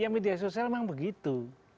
media sosial memang begitu